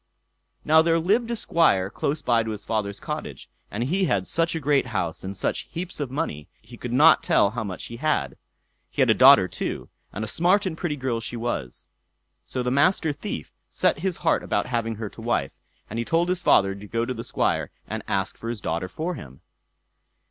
Now there lived a Squire close by to his father's cottage, and he had such a great house, and such heaps of money, he could not tell how much he had. He had a daughter too, and a smart and pretty girl she was. So the Master Thief set his heart upon having her to wife, and he told his father to go to the Squire and ask for his daughter for him.